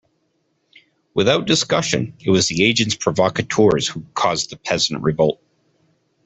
Without discussion, it was the agents provocateurs who caused the Peasant Revolt.